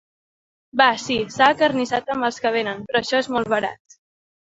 Va, sí, s'ha acarnissat amb els que venen, però això és molt barat.